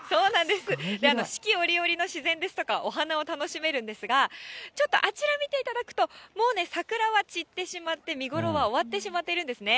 四季折々の自然ですとか、お花を楽しめるんですが、ちょっとあちら見ていただくと、もうね、桜は散ってしまって、見頃は終わってしまっているんですね。